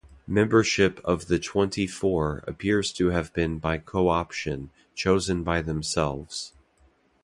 Membership of the Twenty-Four appears to have been by co-option, chosen by themselves.